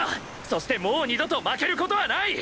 そしてもう二度と負ける事はない！！